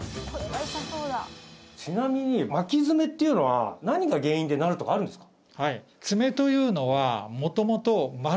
ちなみに巻き爪っていうのは何が原因でなるとかあるんですか？